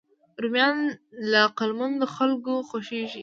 رومیان له عقلمندو خلکو خوښېږي